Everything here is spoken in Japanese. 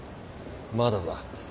まだだ。